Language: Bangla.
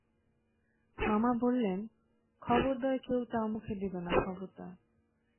মামা বললেন, খবরদার কেউ চা মুখে দেবে না, খবরদার!